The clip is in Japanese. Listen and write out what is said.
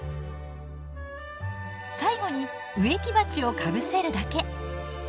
最後に植木鉢をかぶせるだけ。